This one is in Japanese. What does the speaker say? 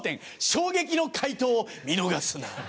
衝撃の回答を見逃すな。